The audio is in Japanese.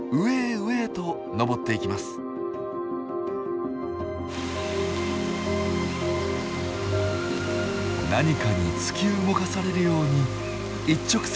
何かに突き動かされるように一直線に上流へと飛んでいきます。